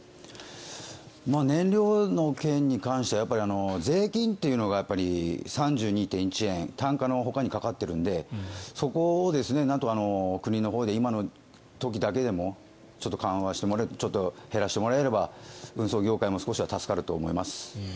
燃料の件に関しては税金っていうのが３２．１円単価のほかにかかっているのでそこをなんとか国のほうで今の時だけでもちょっと緩和して減らしてもらえれば運送業界も少しは助かると思います。